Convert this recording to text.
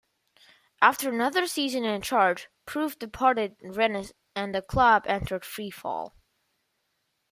After another season in charge, Prouff departed Rennes and the club entered free-fall.